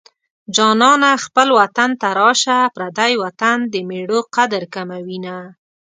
جانانه خپل وطن ته راشه پردی وطن د مېړو قدر کموينه